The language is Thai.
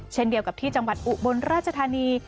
เช่นเดียวกับที่จังหวัดอุบลราชธานี